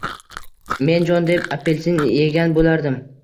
Men jon deb apelsin egan bo`lardim